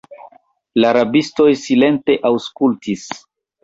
La rabistoj silente aŭskultis.